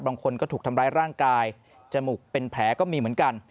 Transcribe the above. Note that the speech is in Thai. บางคนก็ถูกทำร้ายร่างกายจมูกเป็นแผลก็มีเหมือนกัน